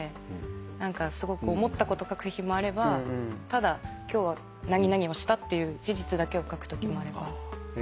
何かすごく思ったこと書く日もあればただ今日は何々をしたっていう事実だけを書くときもあれば。